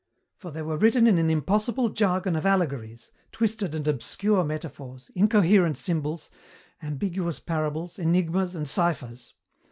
"For they were written in an impossible jargon of allegories, twisted and obscure metaphors, incoherent symbols, ambiguous parables, enigmas, and ciphers.